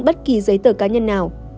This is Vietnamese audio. bất kỳ giấy tờ cá nhân nào